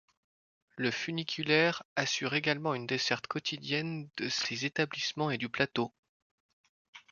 Le funiculaire assure également une desserte quotidienne de ces établissements et du plateau.